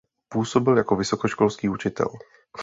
Působil jako vysokoškolský učitel.